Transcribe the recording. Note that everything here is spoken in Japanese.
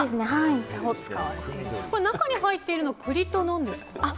中に入っているのは栗と何ですか？